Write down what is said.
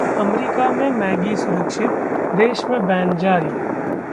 America में Maggi सुरक्षित, देश में बैन जारी